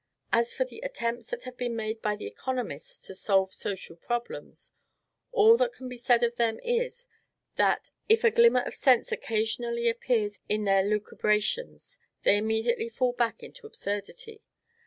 As for the attempts that have been made by the economists to solve social problems, all that can be said of them is, that, if a glimmer of sense occasionally appears in their lucubrations, they immediately fall back into absurdity.